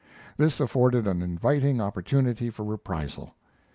This afforded an inviting opportunity for reprisal.